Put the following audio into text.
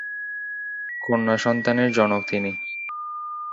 কন্যা সন্তানের জনক তিনি।